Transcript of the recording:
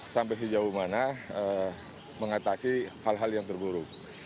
sampai sejauh mana mengatasi hal hal yang terburuk